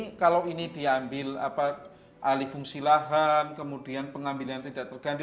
ya karena kan kalau ini diambil alih fungsi lahan kemudian pengambilan tidak terganti